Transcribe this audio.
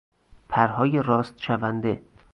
پرهای راست شونده